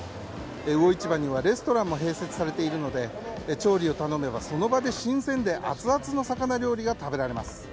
魚市場にはレストランも併設されているので調理を頼めばその場で新鮮で熱々な魚料理が食べられます。